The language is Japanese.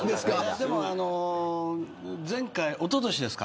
でも、前回、おととしですか。